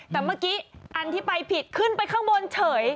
แต่เมื่อกี้อันที่ไปผิดขึ้นไปข้างบนเฉย